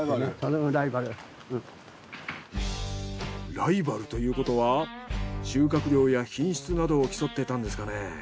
ライバルということは収穫量や品質などを競ってたんですかね？